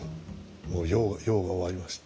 もう用が終わりました。